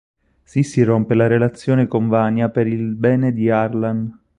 Sissy rompe la relazione con Vanya per il bene di Harlan.